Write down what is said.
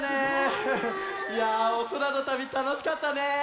いやおそらのたびたのしかったね。